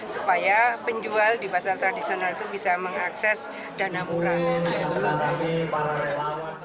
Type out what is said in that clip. supaya penjual di pasar tradisional itu bisa mengakses dana murah